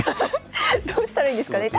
どうしたらいいんですかね。